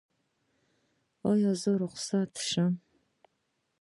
ایا زه رخصت شم؟